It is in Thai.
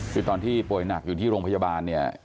คือตอนที่ป่วยหนักอยู่ที่โรงพยาบาลเนี่ย